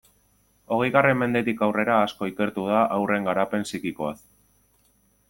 Hogeigarren mendetik aurrera asko ikertu da haurren garapen psikikoaz.